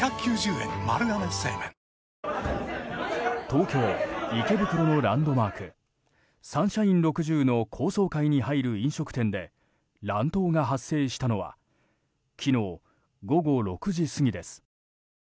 東京・池袋のランドマークサンシャイン６０の高層階に入る飲食店で乱闘が発生したのは昨日午後６時過ぎです。